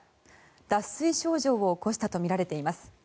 脱水症状を起こしたとみられています。